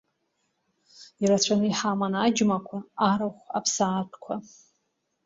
Ирацәаны иҳаман аџьмақәа, арахә, аԥсаатәқәа.